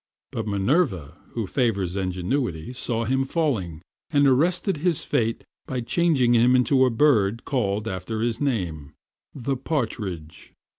But Minerva, who favors ingenuity, saw him falling, and arrested his fate by changing him into a bird called after his name, the Partridge.